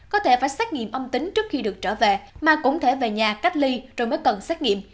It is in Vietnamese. có thể phải xét nghiệm âm tính trước khi được trở về mà cũng thể về nhà cách ly rồi mới cần xét nghiệm